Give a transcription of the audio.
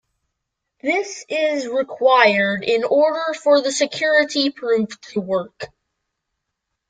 This is required in order for the security proof to work.